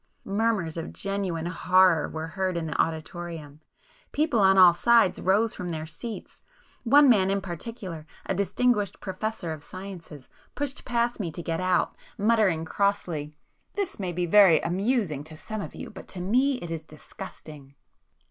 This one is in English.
Murmurs of genuine horror were heard in the auditorium,—people on all sides [p 279] rose from their seats—one man in particular, a distinguished professor of sciences, pushed past me to get out, muttering crossly—"This may be very amusing to some of you, but to me, it is disgusting!"